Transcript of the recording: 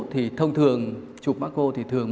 thì thông thường chụp macro thì thường